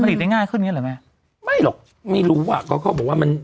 ได้ง่ายขึ้นอย่างเงี้เหรอแม่ไม่หรอกไม่รู้อ่ะเขาก็บอกว่ามัน